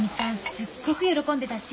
すっごく喜んでたし。